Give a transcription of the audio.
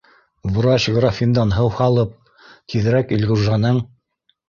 Врач графиндан һыу һалып, тиҙерәк Илғужаның